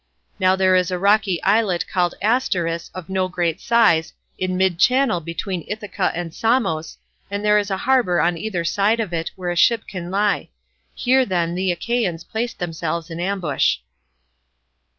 Now there is a rocky islet called Asteris, of no great size, in mid channel between Ithaca and Samos, and there is a harbour on either side of it where a ship can lie. Here then the Achaeans placed themselves in ambush.